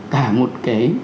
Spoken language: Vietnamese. cả một cái